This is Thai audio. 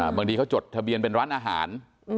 บางทีเขาจดทะเบียนเป็นร้านอาหาร